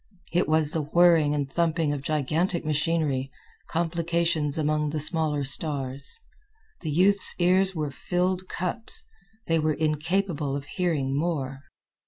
It was the whirring and thumping of gigantic machinery, complications among the smaller stars. The youth's ears were filled cups. They were incapable of hearing more.